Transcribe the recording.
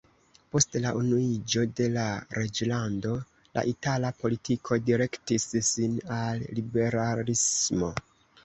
Post la unuiĝo de la Reĝlando la itala politiko direktis sin al liberalismo.